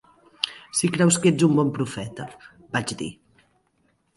"Si creus que ets un bon profeta", vaig dir.